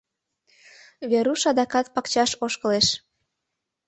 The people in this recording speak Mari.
Веруш адакат пакчаш ошкылеш.